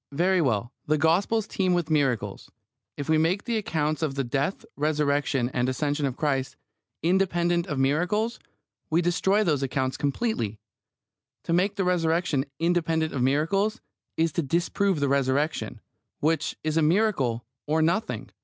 Very well. The Gospels teem with miracles. If we make the accounts of the death, Resurrection, and Ascension of Christ "independent of miracles," we destroy those accounts completely. To make the Resurrection "independent of miracles" is to disprove the Resurrection, which is a miracle or nothing.